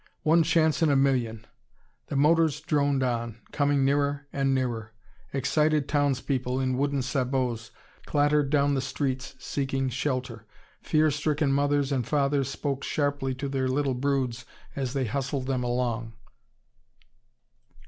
One chance in a million! The motors droned on, coming nearer and nearer. Excited townspeople, in wooden sabots, clattered down the streets seeking shelter; fear stricken mothers and fathers spoke sharply to their little broods as they hustled them along.